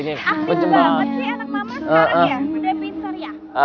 astaga masih anak mama sekarang ya udah pinter ya